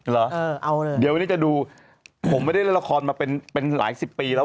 หรือเดี๋ยววันนี้จะดูผมไม่ได้เล่าละครมาเป็นหลายสิบปีแล้ว